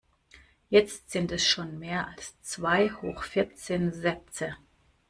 Jetzt sind es schon mehr als zwei hoch vierzehn Sätze.